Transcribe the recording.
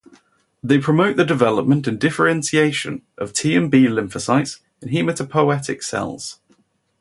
They promote the development and differentiation of T and B lymphocytes, and hematopoietic cells.